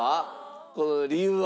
この理由は？